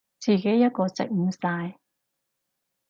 自己一個食唔晒